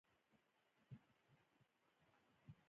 هغې خپلې سترګې ټيټې واچولې او هېڅ يې ونه ويل.